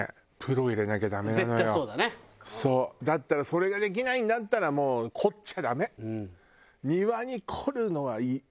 それができないんだったらもう凝っちゃダメ。